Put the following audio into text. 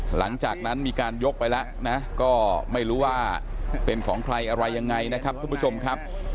หลังจากนั้นมีการยกไปแล้วนะก็ไม่รู้ว่าเป็นของใครอะไรยังไงนะครับทุกผู้ชมครับ